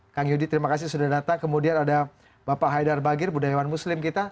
kang yudi terima kasih sudah datang kemudian ada bapak haidar bagir budayawan muslim kita